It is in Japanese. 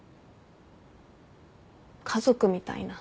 家族みたいな。